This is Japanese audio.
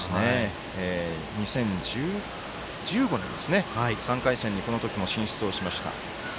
２０１５年、３回戦にこの時も進出をしました。